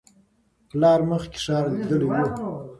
پلار مخکې ښار لیدلی و.